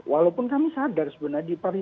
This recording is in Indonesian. walaupun kami sadar sebenarnya